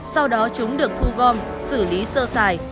sau đó chúng được thu gom xử lý sơ xài